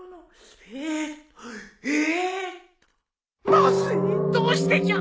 まずいどうしてじゃ！